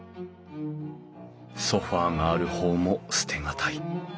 ソファーがある方も捨て難い。